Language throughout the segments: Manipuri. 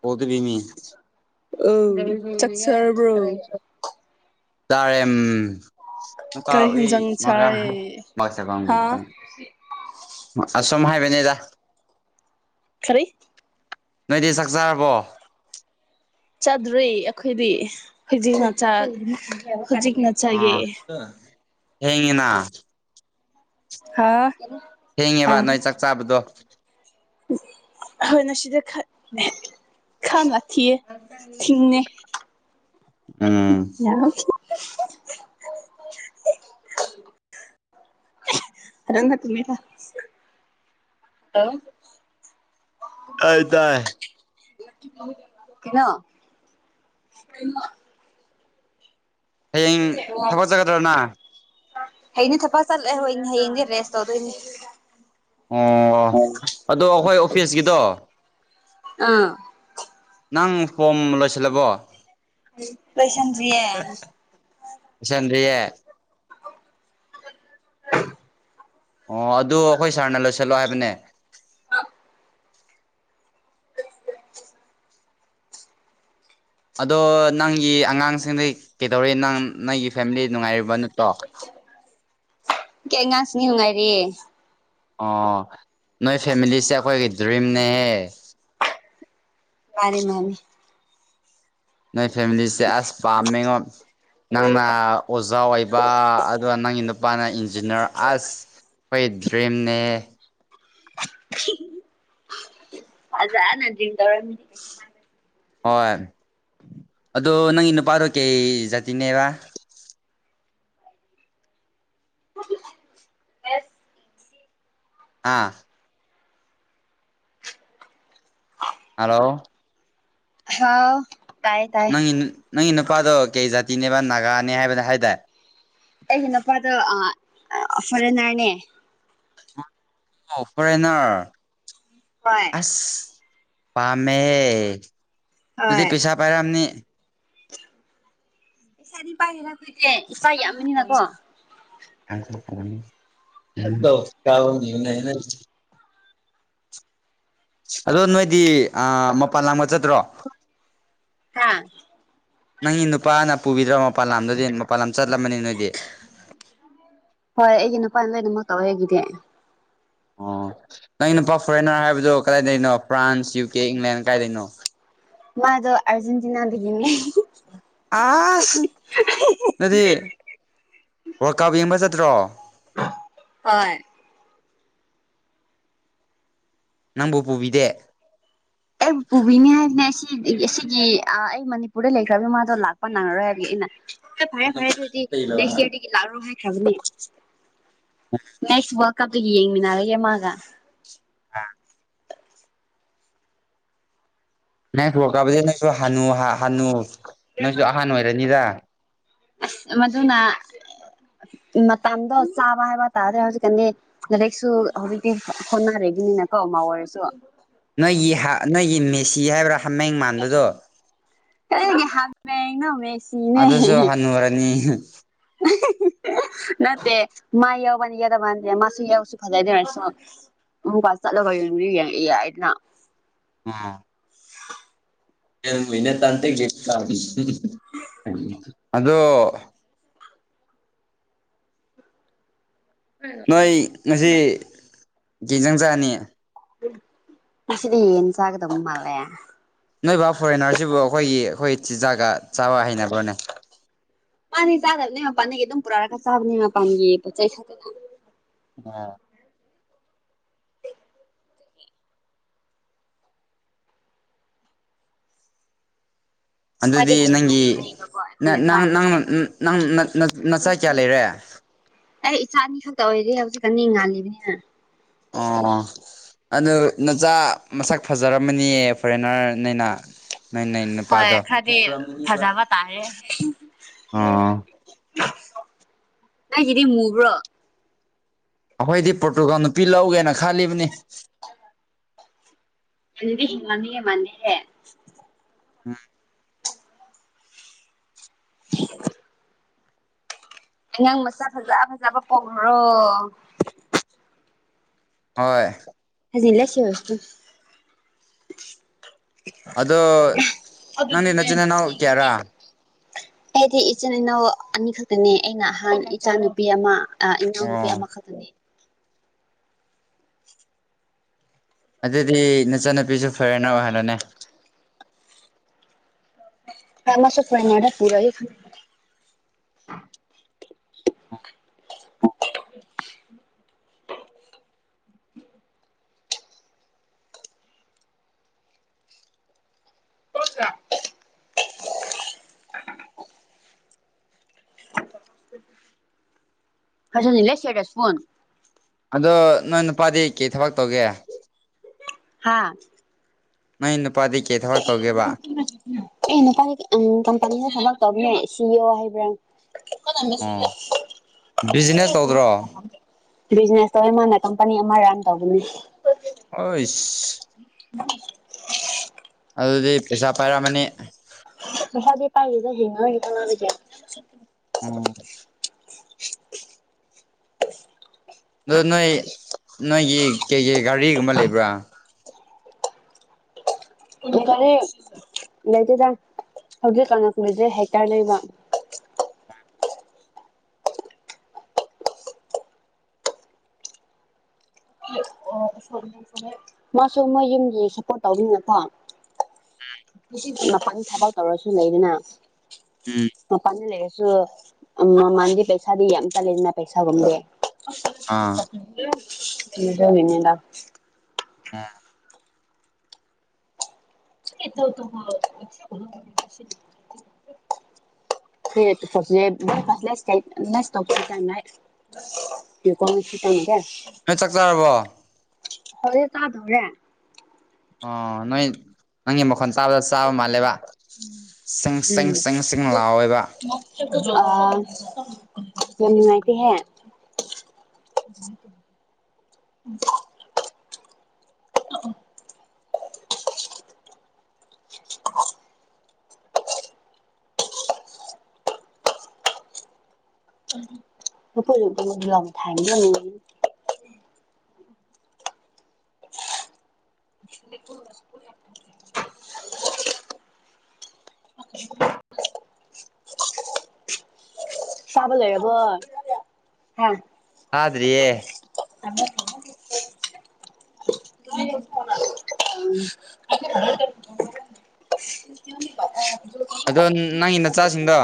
ꯀꯣꯗꯕꯤ ꯃꯤ ꯑꯧ ꯆꯥꯛ ꯆꯥꯔꯕ꯭ꯔꯣ ꯆꯔ‌ꯦ ꯎꯝ ꯀꯔꯤ ꯍꯦꯟꯖꯥꯡ ꯆꯥꯔꯦ ꯍꯥ ꯑꯁꯨꯝ ꯍꯥꯏꯕꯅꯦꯗ ꯀꯔꯤ ꯅꯣꯏꯗꯤ ꯆꯥꯛ ꯖꯥꯔꯕꯣ ꯆꯥꯗꯔꯤ ꯑꯈꯣꯏꯗꯤ ꯍꯨꯖꯤꯛꯅ ꯆꯥ ꯍꯧꯖꯤꯛꯅ ꯑ ꯆꯥꯏꯌꯦ ꯊꯦꯡꯉꯤꯅ ꯍꯥꯥ ꯊꯦꯡꯉꯦꯕ ꯅꯣꯏ ꯆꯥꯛ ꯆꯥꯕꯗꯣ ꯍꯣꯏꯅ ꯁꯤꯗ ꯈꯠ ꯈꯥꯅ ꯊꯤꯌꯦ ꯊꯤꯡꯉꯦ ꯎꯝ [unintelligible] [inaudible] [unintelligible] [unintelligible] ꯇꯥꯏ ꯗꯥꯏ ꯀꯦ ꯀꯩꯅꯣ ꯍꯌꯦꯡ ꯊꯕꯛ ꯆꯀꯗ꯭ꯔꯥ ꯅꯥ ꯍꯌꯦꯡꯗꯤ ꯊꯕꯛ ꯆꯠꯂꯦ ꯍꯣꯏ ꯍꯌꯦꯡꯗꯤ ꯔꯦꯁ ꯇꯧꯗꫭꯏꯅꯤ ꯑꯣ ꯑꯗꯣ ꯑꯈꯣꯏ ꯑꯣꯐꯤꯁꯒꯤꯗꯣ ꯑꯥ ꯅꯪ ꯐꯣꯝ ꯂꯣꯏꯁꯤꯜꯂꯕꯣ ꯂꯣꯏꯁꯟꯗ꯭ꯔꯤꯌꯦ ꯂꫭꯏꯁꯟꯗ꯭ꯔꯤꯌꯦ ꯑꯣ ꯑꯗꯨ ꯑꯈꯣꯏ ꯁꯥꯔꯅ ꯂꯣꯏꯁꯜꯂꯣ ꯍꯥꯏꯕꯅꯦ [unintelligible] ꯑꯗꯣ ꯅꯪꯒꯤ ꯑꯉꯥꯡꯁꯤꯡꯗꯤ ꯀꯩꯗꯧꯔꯦ ꯅꯪ ꯅꯩꯒꯤ ꯐꯦꯝꯂꯤ ꯅꯨꯉꯥꯏꯔꯤꯕ ꯅꯠꯇ꯭ꯔꯣ [unintelligible] ꯅꯌ꯭ꯨꯉꯥꯏꯔꯤ ꯑꯣ ꯅꯣꯏ ꯐꯦꯃꯤꯂꯤꯁꯦ ꯑꯈꯣꯏꯒꯤ ꯗ꯭ꯔꯤꯝꯅꯦꯍꯦ ꯃꯥꯅꯤ ꯃꯥꯅꯤ ꯅꯣꯏ ꯐꯦꯃꯤꯂꯤꯁꯦ ꯑꯁ ꯄꯥꯝꯃꯦꯉꯣ ꯅꯪꯅ ꯑꯣꯖꯥ ꯑꯣꯏꯕ ꯗꯨꯒ ꯅꯪꯒꯤ ꯅꯨꯄꯥꯅ ꯏꯟꯖꯤꯅꯔ ꯑꯁ ꯈꯣꯏ ꯗ꯭ꯔꯤꯝꯅꯦꯍꯦ ꯖꯅ ꯗ꯭ꯔꯤꯝ ꯇꯧꯔꯝꯅꯤ ꯍꯣꯏ ꯑꯗꯣ ꯅꯪꯒꯤ ꯅꯨꯄꯥꯗꫭ ꯀꯩ ꯖꯥꯇꯤꯅꯦꯕ ꯑꯥ ꯍꯜꯂꯣ ꯍꯥꯎ ꯇꯥꯏꯌꯦ ꯇꯥꯏꯌꯦ ꯅꯪꯒꯤ ꯅꯪꯒꯤ ꯅꯨꯄꯥꯗꯣ ꯀꯩ ꯖꯥꯇꯤꯅꯦꯕ ꯅꯥꯒꯥꯅꯦ ꯍꯥꯏꯕꯗ ꯍꯥꯏꯗꯥꯏ ꯑꯩꯒꯤ ꯅꯨꯄꯥꯗꫭ ꯑꯥ ꯑꯥ ꯐꯣꯔꯦꯟꯅꯔꯅꯦ ꯑꯣ ꯐꯔꯦꯟꯅꯔ ꯍꯣꯏ ꯑꯁ ꯄꯥꯝꯃꯦꯍꯦ ꯗꯨꯗꯤ ꯍꯣꯏ ꯄꯩꯁꯥ ꯄꯥꯏꯔꯝꯅꯤ ꯄꯩꯁꯥꯗꯤ ꯄꯥꯏꯔꯦꯗ ꯑꯈꯣꯏꯖꯦ ꯏꯆꯥ ꯌꯥꯝꯕꯅꯤꯅꯀꯣ [unintelligible] ꯑꯗꯣ ꯅꯣꯏꯗꯤ ꯑꯥ ꯃꯄꯥꯟ ꯂꯝꯒ ꯆꯠꯇ꯭ꯔꯣ ꯍꯥꯥ ꯅꯪꯒꯤ ꯅꯨꯄꯥꯅ ꯄꯨꯕꯤꯗ꯭ꯔꯣ ꯃꯄꯥꯟ ꯂꯝꯗꯗꯤ ꯃꯄꯥꯟ ꯂꯝ ꯆꯠꯂꯝꯃꯅꯤ ꯅꯣꯏꯗꯤ ꯍꯣꯏ ꯑꯩꯒꯤ ꯅꯨꯄꯥꯅ ꯂꯣꯏꯅꯃꯛ ꯇꯧꯋꯦ ꯑꯩꯒꯤꯗꯤ ꯑꯣ ꯅꯪꯒꯤ ꯅꯨꯄꯥ ꯐꯣꯔꯦꯟꯅꯔ ꯍꯥꯏꯕꯗꯣ ꯀꯔꯥꯏꯗꯩꯩꯅꯣ ꯐ꯭ꯔꯥꯟꯁ ꯌꯨ ꯀꯦ ꯏꯪꯂꯦꯟ ꯀꯥꯏꯗꯩꯅꯣ ꯃꯥꯗꯣ ꯑꯥꯔꯖꯦꯟꯇꯤꯅꯥꯗꯒꯤꯅꯦ ꯑꯥꯁ ꯅꯣꯏꯗꯤ ꯋꯥꯔꯜꯀꯞ ꯌꯦꯡꯕ ꯆꯠꯇ꯭ꯔꯣ ꯍꯣꯏ ꯅꯪꯕꯨ ꯄꯨꯕꯤꯗꯦ ꯑꯩ ꯄꯨꯕꯤꯅꯤ ꯍꯥꯏꯕꯅꯦ ꯁꯤ ꯑꯁꯤꯒꯤ ꯑꯥ ꯑꯩ ꯃꯅꯤꯄꯨꯔꯗ ꯂꯩꯈ꯭ꯔꯕ ꯏꯃꯥꯗꯣ ꯂꯥꯛꯄ ꯅꯪꯉꯔꯣꯏ ꯍꯥꯏꯕꯒꯤ ꯑꯩꯅ ꯍꯣꯏ ꯐꯥꯔꯦ ꯐꯥꯔꯦ ꯑꯗꯣꯏꯗꯤ ꯅꯦꯛꯁ ꯏꯔꯗꯒꯤ ꯂꯥꯛꯔꯣ ꯍꯥꯏꯈ꯭ꯔꯕꯅꯦ ꯅꯦꯛꯁ ꯋꯥꯔꯜ ꯀꯞꯇꯒꯤ ꯌꯦꯡꯃꯤꯟꯅꯔꯒꯦ ꯃꯥꯒ ꯑꯥ ꯅꯦꯛꯁ ꯋꯥꯔꯀꯞꯇꯗꯤ ꯅꯪꯁꯨ ꯍꯅꯨ ꯍꯅꯨ ꯅꯪꯁꯨ ꯑꯍꯥꯟ ꯑꯣꯏꯔꯅꯤꯗ ꯑꯁ ꯃꯗꯨꯅ ꯃꯇꯝꯗꯣ ꯆꯥꯕ ꯍꯥꯏꯕ ꯇꯥꯔꯦ ꯍꯧꯖꯤꯛꯀꯥꯟꯗꯤ ꯀꯣꯂꯦꯖꯁꯨ ꯍꯧꯖꯤꯛꯇꯤ ꯍꯣꯠ ꯍꯣꯠꯅꯔꯤꯕꯅꯤꯅꯀꯣ ꯃꯧ ꯑꯣꯏꯔꯁꯨ ꯅꯣꯏꯒꯤ ꯍꯥ ꯅꯣꯏꯒꯤ ꯃꯦꯁꯤ ꯍꯥꯏꯕ꯭ꯔꯥ ꯍꯃꯦꯡ ꯃꯥꯟꯕꯗꯣ ꯀꯗꯥꯏꯗꯒꯤ ꯍꯥꯃꯦꯡꯅꯣ ꯃꯦꯁꯤꯅꯦ ꯑꯗꯨꯁꯨ ꯍꯅꯨꯔꯦ [unintelligible] [inaudible] ꯅꯠꯇꯦ ꯃꯥ ꯌꯥꯎꯕꯅꯤ ꯌꯥꯗꯕꯥꯗ ꯃꯥꯁꯨ ꯌꯥꯎꯁꯨ ꯐꯖꯥꯏꯗꯔꯁꯨ ꯑꯃꯨꯛꯀ ꯆꯠꯔꯒ ꯌꯦꯡꯕꯗꯤ ꯌꯥꯏꯗꯅ ꯎꯝ [unintelligible] ꯑꯗꯣ ꯅꯣꯏ ꯉꯁꯤ ꯀꯩꯖꯥꯡ ꯆꯥꯅꯤ ꯉꯁꯤꯗꯤ ꯌꯦꯟ ꯆꯥꯒꯗꯕ ꯃꯥꯜꯂꯦ ꯅꯣꯏꯕꯥ ꯐꯣꯔꯦꯟꯅꯔꯁꯤꯕꯨ ꯑꯩꯈꯣꯏꯒꯤ ꯑꯩꯈꯣꯏ ꯆꯤꯟꯖꯥꯛꯒ ꯆꯥꯕ ꯍꯩꯅꯕ꯭ꯔꯥꯅꯦ ꯃꯥꯥꯗꯤ ꯆꯥꯗꯕꯅꯦ ꯃꯄꯥꯟꯒꯤ ꯑꯗꯨꯝ ꯄꯨꯔꯛꯔꯒ ꯆꯥꯕꯅꯦ ꯃꯄꯥꯟꯒꯤ ꯄꯣꯠ ꯆꯩ [unintelligible] ꯑꯥ ꯁꯨꯃꯥꯏꯗꯤ ꯑꯗꯨꯗꯤ ꯍꯩꯅꯗꯤ ꯅꯪꯒꯤ ꯍꯩꯕꯀꯣ ꯅꯪ ꯑꯩꯈꯣꯏꯅ ꯅꯪ ꯆꯥꯔꯤꯁꯦ ꯅꯪ ꯅꯆꯥ ꯀꯌꯥ ꯂꯩꯔꯦ ꯑꯩ ꯏꯆꯥ ꯑꯅꯤ ꯈꯛꯇ ꯑꯣꯏꯔꯤ ꯍꯧꯖꯤꯛꯀꯥꯟꯗꯤ ꯉꯥꯜꯂꯤꯕꯅꯤꯅ ꯑꯣ ꯑꯗꯨ ꯅꯆꯥ ꯃꯁꯛ ꯐꯖꯔꯝꯃꯅꯤ ꯐꯣꯔꯦꯟꯅꯔꯅꯤꯅ ꯅꯣꯏ ꯅꯣꯏ ꯍꯣꯏ ꯅꯨꯄꯥꯗꯣ ꯈꯔꯗꯤ ꯐꯖꯕ ꯇꯥꯔꯦ ꯑꯣ ꯅꯪꯪꯒꯤꯗꯤ ꯃꯨꯕ꯭ꯔꯣ ꯑꯩꯈꯣꯏꯗꯤ ꯄ꯭ꯔꯣꯇꯨꯒꯜ ꯅꯨꯄꯤ ꯂꯧꯒꯦꯅ ꯈꯜꯂꯤꯕꯅꯤ ꯑꯗꯨꯗꯤ ꯍꯦꯟꯃꯟꯗꯤ ꯍꯦꯟꯃꯜꯂꯤꯍꯦ ꯎꯝ [unintelligible] ꯑꯉꯥꯡ ꯃꯆꯥ ꯐꯥꯖ ꯐꯥꯖꯕ ꯄꯣꯛꯂꯨꯔꯣ ꯍꯣꯏ ꯑꯗꯣ [unintelligible] ꯅꯪꯗꯤ ꯑꯗꯨꯗꯤꯅꯦ ꯅꯆꯤꯟ ꯅꯅꯥꯎ ꯅꯤꯒꯤꯅꯤ ꯀꯌꯥꯔꯥ ꯑꯩꯗꯤ ꯏꯆꯤꯟ ꯏꯅꯥꯎ ꯑꯅꯤꯈꯛꯇꯅꯦ ꯑꯩꯅ ꯑꯍꯟ ꯏꯆꯥꯅꯨꯄꯤ ꯑꯃ ꯏꯅꯥꯎ ꯅꯨꯄꯤ ꯑꯣ ꯑꯃꯈꯛꯇꯅꯤ ꯑꯗꯨꯗꯤ ꯅꯆꯟꯅꯨꯄꯤꯖꯨ ꯐꯣꯔꯦꯟꯅꯔ ꯑꯣꯏꯍꯜꯂꯣꯅꯦ ꯍꯣꯏ ꯃꯥꯁꯨ ꯐꯣꯔꯦꯟꯅꯔ ꯄꯨꯔꯒꯦ [unintelligible] [unintelligible] [unintelligible] ꯑꯗꯣ ꯅꯣꯏ ꯅꯨꯄꯥꯗꯤ ꯀꯩ ꯊꯕꯛ ꯇꯧꯒꯦ ꯍꯥꯥ ꯅꯣꯏ ꯅꯨꯄꯥꯗꯤ ꯀꯩ ꯊꯕꯛ ꯇꯧꯒꯦꯕ ꯑꯦ ꯅꯨꯄꯥꯅꯤ ꯀꯝꯄꯅꯤꯗ ꯊꯕꯛ ꯇꯧꯕꯅꯦ ꯁꯤ ꯏ ꯑꯣ ꯍꯥꯏꯕ꯭ꯔꯥ ꯑꯣ ꯕꯤꯖꯤꯅꯦꯁ ꯇꯧꯗ꯭ꯔꯣ [unintelligible] ꯕꯤꯖꯤꯅꯦꯁ ꯇꯧꯋꯦ ꯃꯥꯅ ꯀꯝꯄꯅꯤ ꯑꯃ ꯔꯟ ꯇꯧꯕꯅꯦ ꯑꯣꯏꯁ [unintelligible] ꯑꯗꯨꯗꯤ ꯄꯩꯁꯥ ꯄꯥꯏꯔꯝꯃꯅꯤ ꯄꯩꯁꯥꯗꯤ ꯄꯥꯏꯗꯦꯗ ꯍꯤꯡ [unintelligible] ꯎꯝ ꯑꯗꯣ ꯅꯣꯏ ꯅꯣꯏꯒꯤ ꯀꯩꯀꯩ ꯒꯥꯔꯤꯒꯨꯝꯕ ꯂꯩꯕ꯭ꯔꯥ ꯒꯥꯔꯤ ꯂꯩꯇꯦꯗ ꯍꯧꯖꯤꯛ ꯀꯟ ꯂꯩꯗꯦ ꯍꯦꯛꯇꯔ ꯂꯩꯕ [unintelligible] ꯃꯥꯁꯨ ꯃꯣꯏꯌꯨꯝꯒꯤ ꯁꯞꯄꯣꯔꯠ ꯇꯧꯕꯅꯤꯅꯀꯣ ꯍꯧꯖꯤꯛꯇꯤ ꯃꯄꯥꯟꯒꯤ ꯊꯕꯛ ꯇꯧꯔꯁꯨ ꯂꯩꯗꯅ ꯎꯝ ꯃꯄꯥꯟꯗ ꯂꯩꯔꯁꯨ ꯎ ꯃꯃꯜꯗꯤ ꯄꯩꯁꯥꯗꯤ ꯌꯥꯝ [unintelligible] ꯄꯩꯁꯥꯒꯨꯝꯕꯗꯤ ꯑꯥ ꯑꯗꯨꯒꯤꯅꯤꯗ ꯑ [unintelligible] [unintelligible] [unintelligible] ꯅꯣꯏ ꯆꯥꯛ ꯆꯥꯔꯕꯣ ꯍꯧꯖꯤꯛ ꯆꯥꯗꯣꯔꯦ ꯑ ꯅꯣꯏ ꯅꯪꯒꯤ ꯃꯈꯣꯟ ꯇꯥꯕꯗ ꯆꯥꯕ ꯃꯥꯜꯂꯦꯕ ꯁꯤꯡ ꯁꯤꯡ ꯁꯤꯡ ꯁꯤꯡ ꯂꯥꯎꯋꯦꯕ ꯑ ꯌꯥꯝ ꯅꯨꯡꯉꯥꯏꯇꯦꯍꯦ [unintelligible] [unintelligible] [unintelligible] ꯆꯕ ꯂꯣꯏꯔꯕꯣ ꯍꯥ ꯆꯥꯗꯔꯤꯌꯦ [unintelligible] [unintelligible] ꯑꯗꯣ ꯅꯪꯒꯤ ꯅꯆꯥꯁꯤꯡꯗꯣ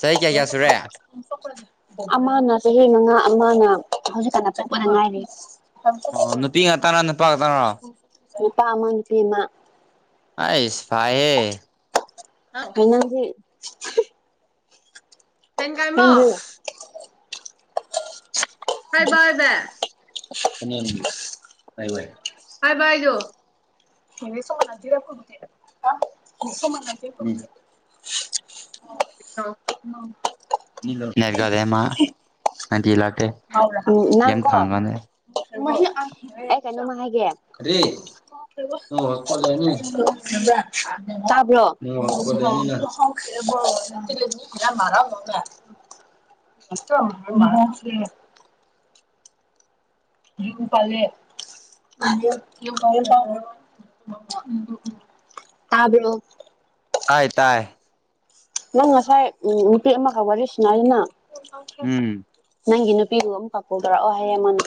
ꯆꯍꯤ ꯀꯌꯥ ꯀꯌꯥ ꯁꯨꯔꯦ ꯑꯃꯅ ꯆꯍꯤ ꯃꯉꯥ ꯑꯃꯅ ꯍꯧꯖꯤꯛꯀꯥꯟꯅ ꯄꯣꯛꯄꯗ ꯉꯥꯏꯔꯤ ꯑꯣ ꯅꯨꯄꯤ ꯉꯥꯛꯇꯅ ꯅꯨꯄꯥ ꯉꯥꯛꯇꯅꯔꯣ ꯅꯨꯄꯥ ꯑꯃ ꯅꯨꯄꯤ ꯑꯃ ꯑꯥꯏꯁ ꯐꯥꯍꯦ ꯍꯩꯅꯗꯤ [unintelligible] ꯀꯥꯏꯃꯣ ꯅꯪꯗꯤ ꯍꯥꯏ [unintelligible] [unintelligible] ꯍꯥꯏ [unintelligible] [unintelligible] ꯑꯣ ꯃꯥ [unintelligible] [unintelligible] [unintelligible] ꯎ ꯅꯪꯀꯣ ꯑꯩ ꯀꯩꯅꯣꯃ ꯍꯥꯏꯒꯦ ꯀꯔꯤ ꯇꯥꯕ꯭ꯔꯣ ꯅꯪ ꯃꯔꯔ ꯋꯥꯛ ꯀꯣꯠꯂꯦꯅꯤ ꯅꯪ ꯑꯣꯏꯉ [unintelligible] ꯑꯣ [unintelligible] ꯌ ꯄꯂꯦ [unintelligible] ꯇꯥꯕ꯭ꯔꯣ ꯍꯥꯏ ꯇꯥꯏ ꯅꯪ ꯉꯁꯥꯏ ꯅꯨꯄꯤ ꯑꯃꯒ ꯋꯥꯔꯤ ꯁꯥꯅꯩꯌꯦꯅ ꯎꯝ ꯅꯪꯒꯤ ꯅꯨꯄꯤꯗꯨ ꯑꯃꯨꯛꯒ ꯀꯣꯜ ꯇꯧꯔꯛꯑꯣ ꯍꯥꯏꯌꯦ ꯃꯥꯅ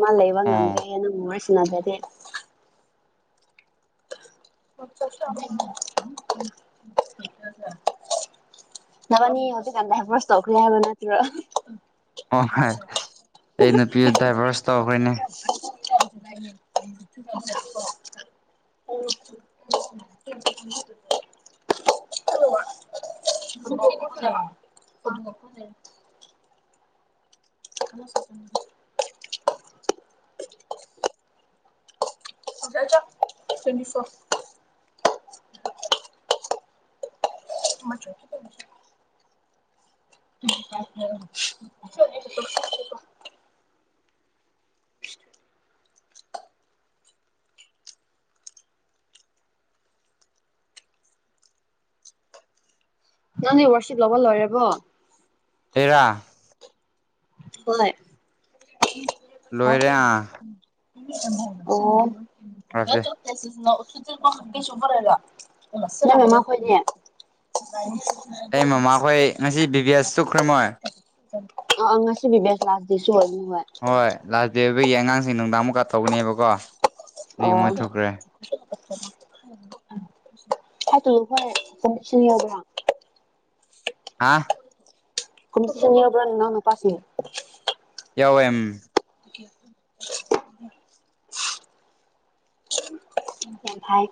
ꯃꯥ ꯂꯩꯕ ꯑꯣ ꯉꯝꯗ꯭ꯔꯦꯍꯦ ꯅꯪꯒ ꯋꯥꯔꯤ ꯁꯤꯟꯅꯗ꯭ꯔꯗꯤ [unintelligible] ꯅꯕꯅꯤ ꯍꯧꯖꯤꯛꯒꯥꯟ ꯗꯥꯏꯕ꯭ꯔꯣꯁ ꯇꯧꯈꯔꯦ ꯍꯥꯏꯕ ꯅꯠꯇ꯭ꯔꯣ ꯍꯣꯏ ꯍꯥꯏ ꯑꯩ ꯅꯨꯄꯤꯗꯨ ꯗꯥꯏꯚꯣꯔꯁ ꯇꯧꯈ꯭ꯔꯦꯅꯦ [unintelligible] [unintelligible] [unintelligible] ꯍꯃ [unintelligible] ꯆ ꯇ꯭ꯋꯦꯟ ꯐꯣꯔ [unintelligible] ꯃ [unintelligible] ꯎ [unintelligible] ꯅꯪꯗꯤ ꯋꯥꯔꯁꯤꯠ ꯂꯧꯕ ꯂꯣꯢꯔꯕꯣ ꯑꯩꯔꯥ ꯍꯣꯏ ꯑꯣ ꯂꯣꯏꯔꯦ ꯑꯥ ꯉꯛꯇꯦ ꯅꯪ ꯃꯃꯥꯈꯣꯢꯗꯤ ꯑ [inaudible] ꯑꯩ ꯃꯃꯥꯈꯣꯏ ꯉꯁꯤ ꯕꯤ ꯕꯤ ꯑꯦꯁ ꯆꯨꯞꯈ꯭ꯔꯃꯣꯏ ꯑꯥ ꯑꯥ ꯉꯁꯤ [unintelligible] [unintelligible] [unintelligible] ꯑꯣꯢꯕꯅꯦ ꯍꯣꯏ ꯍꯣꯏ ꯂꯥꯁ ꯗꯦ ꯑꯣꯢꯕꯒꯤ ꯑꯉꯥꯡꯁꯤꯡ ꯅꯨꯡꯗꯥꯡꯃꯨꯛꯀ ꯇꯧꯒꯅꯦꯕꯀꯣ ꯃꯣꯏ ꯑꯣ [inaudible] ꯑꯗꯨ ꯍꯣꯢ [unintelligible] [unintelligible] [unintelligible] ꯍꯥꯥ [unintelligible] [unintelligible] ꯅꯅꯥꯎ ꯅꯨꯄꯥꯁꯤꯡ ꯌꯥꯎꯌꯦ ꯊ [inaudible] ꯌꯥꯝ ꯐꯥꯏ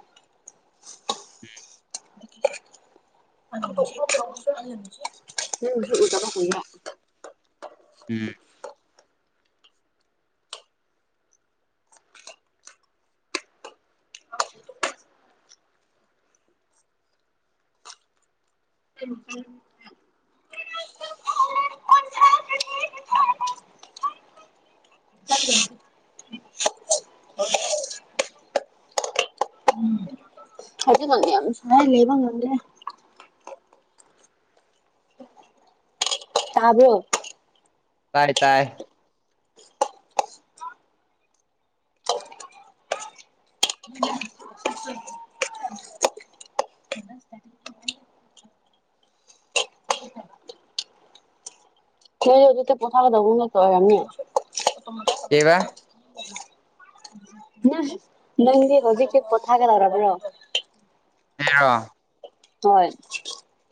ꯎꯝ ꯆꯕ ꯍ [unintelligible] [unintelligible] ꯎꯝ ꯎꯝ [unintelligible] [unintelligible] [unintelligible] [unintelligible] [unintelligible] ꯌꯥꯝ ꯁꯥꯢ ꯂꯩꯕ ꯉꯥꯝꯗꯦ ꯇꯥꯕ꯭ꯔꯣ ꯇꯥꯏ ꯇꯥꯏ ꯑꯗꯨ ꯀꯊꯥ ꯀꯗ ꯨꯝ ꯅ ꯀ ꯑꯣꯏꯔꯝꯅꯤ ꯀꯩꯕꯥ ꯅꯪꯗꯤ ꯍꯧꯖꯤꯛꯀꯤ ꯄꯣꯊꯥꯒꯗꯧꯔꯕ꯭ꯔꯣ ꯑꯩꯔꯣ ꯍ‌ꯣꯏ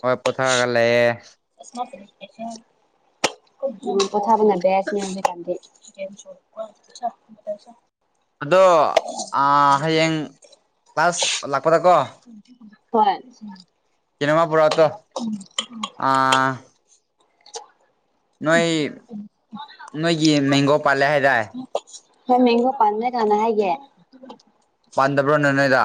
ꯍꯣꯏ ꯄꯣꯊꯥꯒ ꯂꯩꯌꯦ [unintelligible] [unintelligible] ꯑꯗꯣ ꯍꯌꯦꯡ ꯀ꯭ꯂꯥꯁ ꯂꯥꯛꯄꯗꯀꯣ ꯍꯣꯏ ꯀꯩꯅꯃ ꯄꯨꯔꯥꯛ ꯑ‌ꯣ ꯇ‌ꯣ ꯅꯣꯏ ꯅꯣꯏꯒꯤ ꯃꯦꯡꯒꯣ ꯄꯥꯜꯂꯦ ꯍꯥꯏꯇꯥꯔꯦ ꯍꯣꯏ ꯃꯦꯡꯒꯣ ꯄꯥꯟꯃꯦ ꯀꯅ ꯍꯥꯏꯒꯦ ꯄꯥꯟꯗꯕ꯭ꯔꯣ ꯅ ꯅꯣꯏꯗ